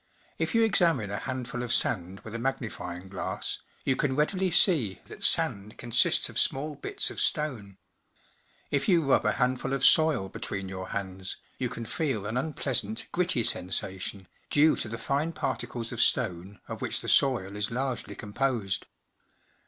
If you examine a handful of sand with a magnifying glass, you can readily see that sand consists of small bits of stone. If you rub a handful of soil between your hands, you can feel an unpleasant gritty sensation, due to the fine particles of stone of which the soil is largely composed.